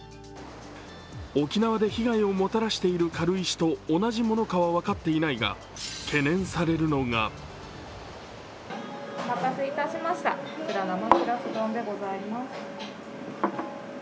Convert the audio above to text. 沖縄で被害をもたらしている軽石と同じものかは分かっていないが懸念されるのがお待たせしました、こちら生しらす丼でございます。